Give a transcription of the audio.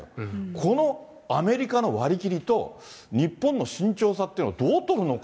このアメリカの割り切りと、日本の慎重さっていうのをどう取るのか。